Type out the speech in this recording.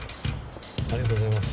ありがとうございます。